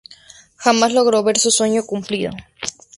Jamás logró ver su sueño cumplido.